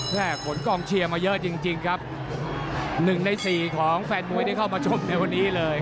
ขนกองเชียร์มาเยอะจริงจริงครับหนึ่งในสี่ของแฟนมวยที่เข้ามาชมในวันนี้เลย